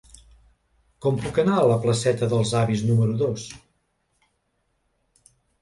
Com puc anar a la placeta dels Avis número dos?